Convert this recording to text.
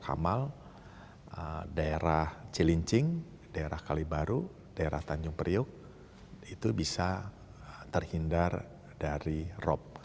kamal daerah cilincing daerah kalibaru daerah tanjung priuk itu bisa terhindar dari rop